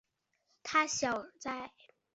他从小在海德堡长大。